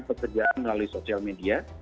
pekerjaan melalui social media